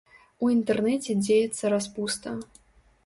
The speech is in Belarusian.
У інтэрнэце дзеецца распуста.